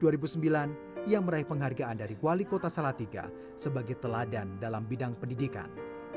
kang din meraih penghargaan dari guali kota salatiga sebagai teladan dalam bidang pendidikan